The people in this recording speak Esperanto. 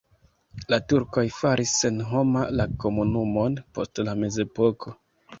La turkoj faris senhoma la komunumon post la mezepoko.